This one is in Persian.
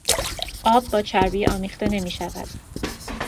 آب با چربی آمیخته نمیشود.